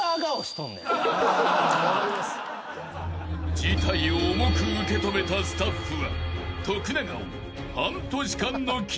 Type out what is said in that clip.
［事態を重く受け止めたスタッフは］